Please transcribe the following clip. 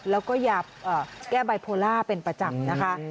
แล้วก็ยาแก้บายโพล่าเป็นประจำนะคะ